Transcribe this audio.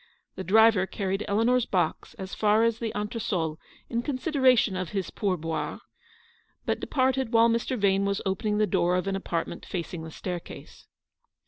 The driver carried Eleanor's box as far as the entresol in consideration of his pour boire, but departed while Mr. Yane was opening the door of an apartment facing the staircase.